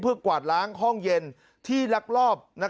เพื่อกวาดล้างห้องเย็นที่ลักลอบ